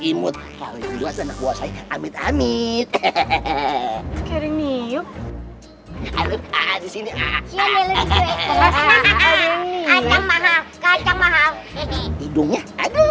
ini aduh aduh